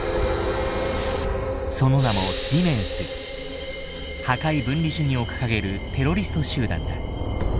その名も破壊分離主義を掲げるテロリスト集団だ。